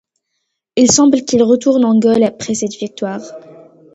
Il semble qu'il retourne en Gaule après cette victoire.